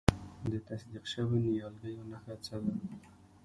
د تصدیق شویو نیالګیو نښه څه ده؟